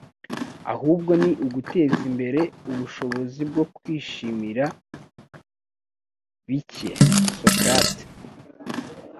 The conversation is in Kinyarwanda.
ahubwo ni uguteza imbere ubushobozi bwo kwishimira bike.” - Socrate